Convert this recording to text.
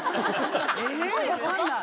え分かんない。